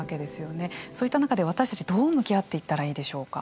そういった中で私たちどう向き合っていったらいいでしょうか？